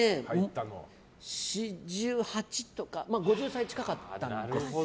４８とか５０歳近かったです。